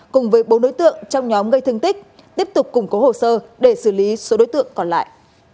cùng với bốn đối tượng trong nhóm gây thương tích tiếp tục củng cố hồ sơ để xử lý số đối tượng còn lại